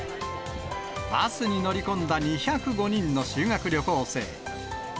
バスに乗り込んだ２０５人の修学旅行生。